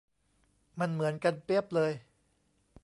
มันเหมือนกันเปี๊ยบเลย